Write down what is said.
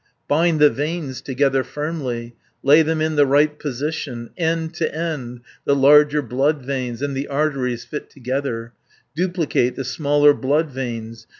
"Bind the veins together firmly, Lay them in the right position, 340 End to end the larger bloodveins, And the arteries fit together, Duplicate the smaller bloodveins.